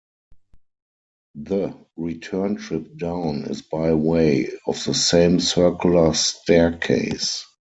The return trip down is by way of the same circular staircase.